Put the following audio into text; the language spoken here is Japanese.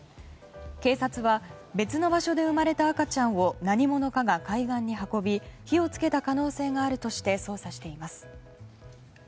警察は別の場所で生まれた赤ちゃんを何者かが海岸に運び火をつけた可能性があるとして捜査しています。